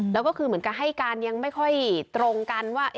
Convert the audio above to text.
แล้วก็คือเหมือนกับให้การยังไม่ค่อยตรงกันว่า